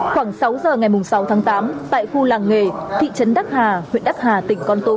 khoảng sáu giờ ngày sáu tháng tám tại khu làng nghề thị trấn đắk hà huyện đắk hà tỉnh con tôm